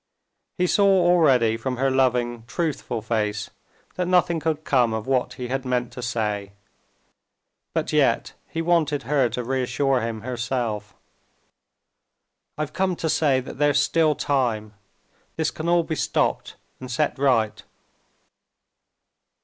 He saw already from her loving, truthful face, that nothing could come of what he had meant to say, but yet he wanted her to reassure him herself. "I've come to say that there's still time. This can all be stopped and set right."